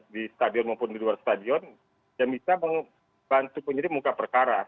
di stadion maupun di luar stadion yang bisa membantu penyelidik mengungkap perkara